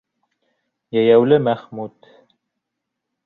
«Йәйәүле Мәхмүт»